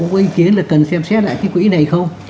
có ý kiến là cần xem xét lại cái quỹ này không